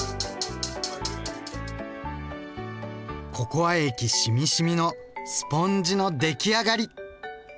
ココア液しみしみのスポンジの出来上がり。